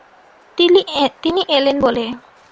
তিনি এলেন বলে।